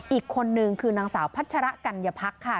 อีกคนนึงคือนางสาวพัชระกัญญาพักค่ะ